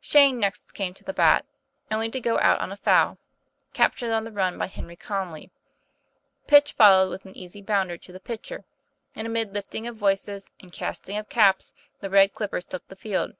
Shane next came to the bat, only to go out on a foul, captured on the run by Henry Conly. Pitch followed with an easy bounder to the pitcher, and, amid lifting of voices and casting of caps, the Red Clippers took the field.